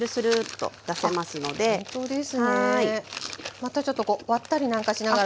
またちょっとこう割ったりなんかしながら。